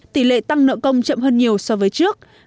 tỷ lệ tăng nợ công chậm hơn nhiều so với trước